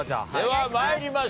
では参りましょう。